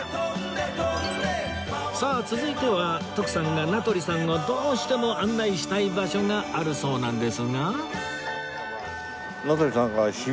さあ続いては徳さんが名取さんをどうしても案内したい場所があるそうなんですが